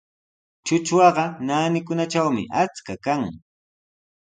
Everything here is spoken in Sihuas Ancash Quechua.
Trutrwaqa naanikunatrawmi achka kan.